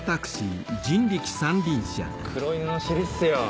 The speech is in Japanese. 黒犬の尻っすよ。